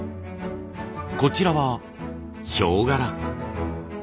こちらはヒョウ柄。